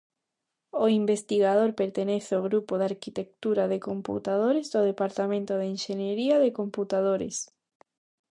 O investigador pertence ao Grupo de Arquitectura de Computadores do Departamento de Enxeñería de Computadores.